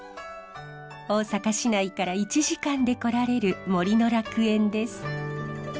大阪市内から１時間で来られる森の楽園です。